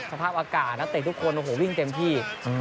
สภาพอากาศนักเตะทุกคนโอ้โหวิ่งเต็มที่